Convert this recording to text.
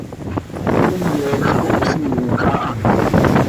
Himoz cohpsiimj aha.